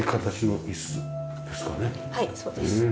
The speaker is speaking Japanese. はいそうです。